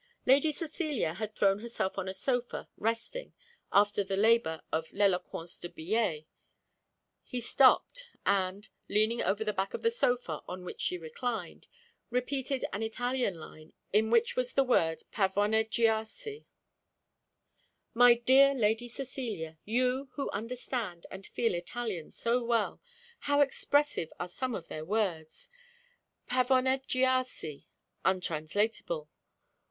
Lady Cecilia had thrown herself on a sofa, resting, after the labour of l'éloquence de billet. He stopped, and, leaning over the back of the sofa on which she reclined, repeated an Italian line in which was the word "pavoneggiarsi." "My dear Lady Cecilia, you, who understand and feel Italian so well, how expressive are some of their words! Pavoneggiarsi! untranslatable.